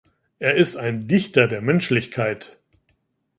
Er ist ein Dichter der Menschlichkeit.